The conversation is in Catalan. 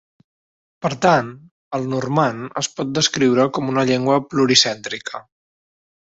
Per tant, el normand es pot descriure com una llengua pluricèntrica.